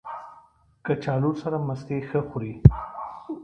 کچالو سره مستې ښه خوري